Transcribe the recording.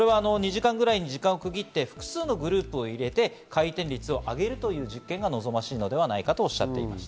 時間を区切って複数のグループを入れて回転率を上げるという実験が望ましいのではないかとおっしゃっていました。